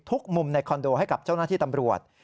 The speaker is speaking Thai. มุมในคอนโดให้กับเจ้าหน้าที่ตำรวจ